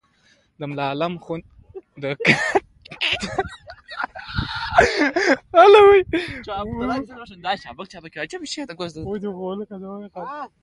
د ملا عالم اخند له کلي به راتللو.